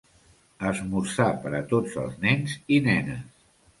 Esmorzar per a tots els nens i nenes.